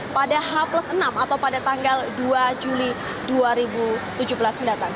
pada h enam atau pada tanggal dua juli dua ribu tujuh belas mendatang